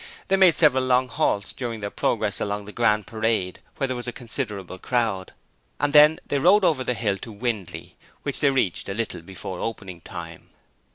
They made several long halts during their progress along the Grand Parade, where there was a considerable crowd, and then they rode over the hill to Windley, which they reached a little before opening time.